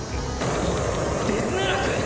デズナラク！？